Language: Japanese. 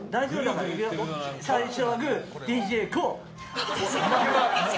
最初はグーＤＪＫＯＯ。